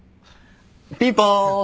ピンポーン。